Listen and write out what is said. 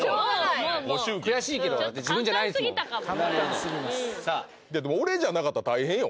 ご祝儀悔しいけど自分じゃないですもんだってもう俺じゃなかったら大変よ